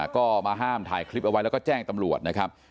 ก็มาห้ามถ่ายคลิปเอาไว้แล้วก็แจ้งตำรวจนะครับ